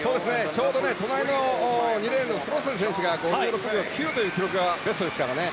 ちょうど隣の２レーンのスロッセル選手が５６秒９という記録がベストですからね。